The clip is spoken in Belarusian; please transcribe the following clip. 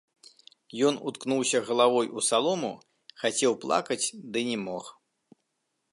Ён уткнуўся галавой у салому, хацеў плакаць, ды не мог.